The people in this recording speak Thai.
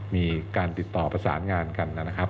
มีการติดต่อประสานงานกันนะครับ